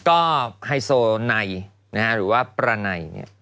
ก็ไฮโซไนหรือว่าประไน